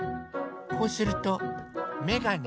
こうするとめがね。